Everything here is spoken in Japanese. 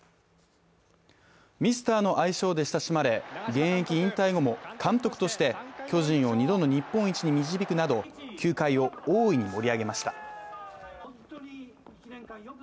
ミスターの愛称で親しまれ現役引退後も監督として巨人を２度の日本一に導くなど球界を大いに盛り上げました。